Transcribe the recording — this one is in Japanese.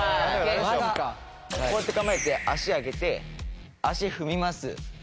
こうやって構えて足上げて足踏みます。